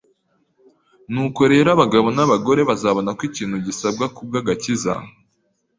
Nuko rero abagabo n’abagore bazabona ko ikintu gisabwa ku bw’agakiza